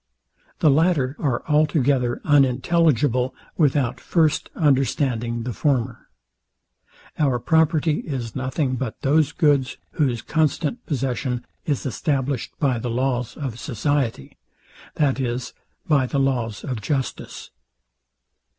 The latter are altogether unintelligible without first understanding the former. Our property is nothing but those goods, whose constant possession is established by the laws of society; that is, by the laws of justice.